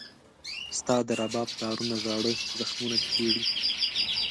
ستا د رباب تارونه زاړه زخمونه چېړي.